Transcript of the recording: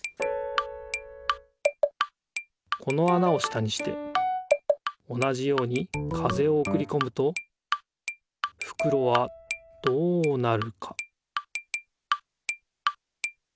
このあなを下にして同じように風をおくりこむとふくろはどうなるか？